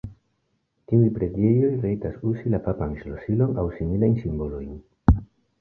Tiuj preĝejoj rajtas uzi la papan ŝlosilon aŭ similajn simbolojn.